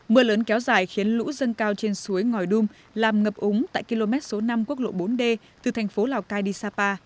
mưa lớn kéo dài khiến lũ dâng cao trên suối ngòi đum làm ngập úng tại km số năm quốc lộ bốn d từ thành phố lào cai đi sapa